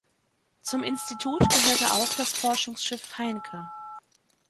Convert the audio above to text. Zum Institut gehörte auch das Forschungsschiff "Heincke".